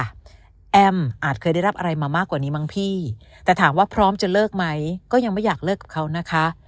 แอมอาจเคยได้รับอะไรมามากกว่านี้มั้งพี่แต่ถามว่าพร้อมจะเลิกไหมก็ยังไม่อยากเลิกกับเขานะคะ